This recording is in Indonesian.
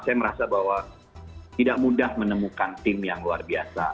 saya merasa bahwa tidak mudah menemukan tim yang luar biasa